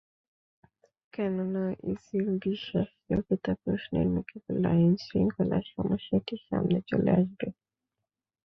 কেননা, ইসির বিশ্বাসযোগ্যতা প্রশ্নের মুখে পড়লে আইনশৃঙ্খলার সমস্যাটি সামনে চলে আসবে।